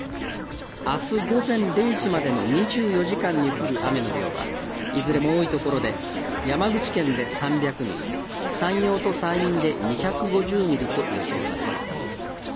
あす午前０時までの２４時間に降る雨の量はいずれも多いところで、山口県で３００ミリ山陽と山陰で２５０ミリと予想されています。